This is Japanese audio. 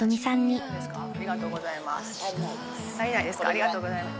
ありがとうございます。